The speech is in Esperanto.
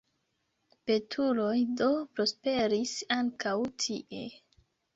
Betuloj do prosperis ankaŭ tie.